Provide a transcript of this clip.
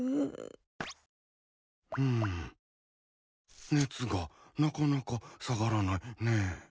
うん熱がなかなか下がらないね。